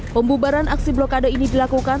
pembubaran aksi blokade ini dilakukan